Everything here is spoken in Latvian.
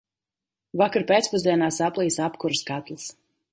Vakar pēcpusdienā saplīsa apkures katls.